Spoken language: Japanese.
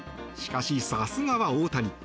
しかし、さすがは大谷。